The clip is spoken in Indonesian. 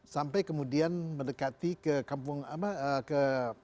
sampai kemudian mendekati ke kampung apa ke